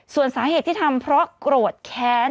ส่วนสาเหตุที่ทำเพราะโกรธแค้น